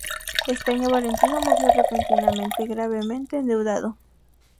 Ese año Valentino murió repentinamente gravemente endeudado.